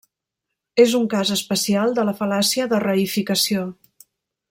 És un cas especial de la fal·làcia de reïficació.